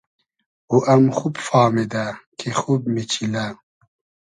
او ام خوب فامیدۂ کی خوب میچیلۂ